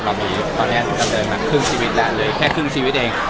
เรามีตอนนี้ดำเนินมาครึ่งชีวิตแล้วเลยแค่ครึ่งชีวิตเอง